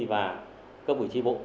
và các quỹ trí bộ